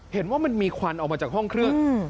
เห็นว่ามันมีควันออกมาจากห้องเครื่อง